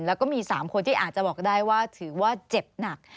แล้วก็มี๓คนที่อาจจะบอกได้ว่าถือว่าเจ็บหนัก